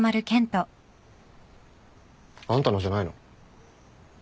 あんたのじゃないの？